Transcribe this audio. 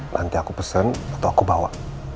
nanti aku pesen atau aku bawa